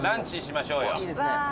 いいですね。